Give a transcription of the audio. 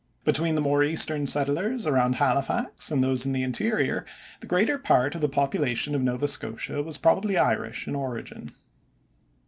Between the more eastern settlers around Halifax and those in the interior, the greater part of the population of Nova Scotia was probably Irish in origin.